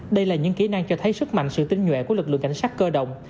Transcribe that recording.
đây là những kỹ năng cho thấy sức mạnh sự tinh nhuệ của lực lượng cảnh sát cơ động